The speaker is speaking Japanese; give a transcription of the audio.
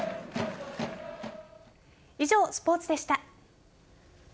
以上、スポーツでした。